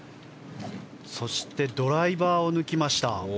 そして中島はドライバーを抜きました。